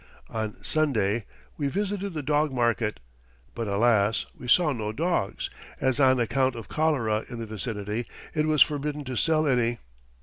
On Sunday we visited the dog market, but alas! we saw no dogs, as on account of cholera in the vicinity, it was forbidden to sell any.